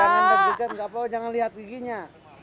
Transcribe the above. jangan deg degan nggak apa apa jangan lihat giginya